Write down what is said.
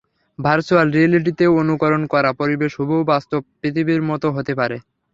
Virtual রিয়্যালিটিতে অনুকরণ করা পরিবেশ হুবহু বাস্তব পৃথিবীর মতো হতে পারে।